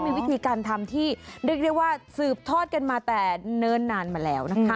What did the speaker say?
มีวิธีการทำที่สืบทอดกันมาแต่เนิ่นนานมาแล้ว